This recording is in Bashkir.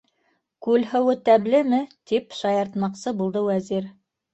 - Күл һыуы тәмлеме? - тип шаяртмаҡсы булды Вәзир.